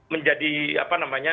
menjadi apa namanya